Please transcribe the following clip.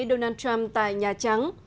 donald trump tại nhà trắng